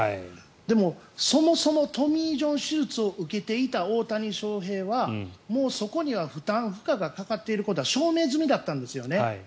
でも、そもそもトミー・ジョン手術を受けていた大谷翔平はもうそこには負担、負荷がかかっていることは証明済みだったんですよね。